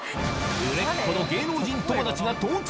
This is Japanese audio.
売れっ子の芸能人友達が到着